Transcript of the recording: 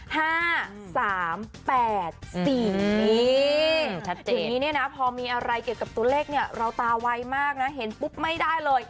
ทีนี้เนี่ยนะพอมีอะไรเกี่ยวกับตัวเลขเนี่ยเราตาไวมากนะเห็นปุ๊บไม่ได้เลย